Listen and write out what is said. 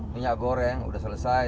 minyak goreng udah selesai